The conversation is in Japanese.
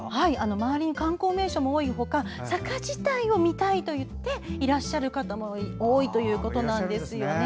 周りに観光名所も多いほか坂自体を見たいといっていらっしゃる方も多いということなんですよね。